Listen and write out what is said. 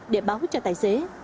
để báo cho tài xế